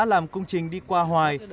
làm công trình đi qua hoài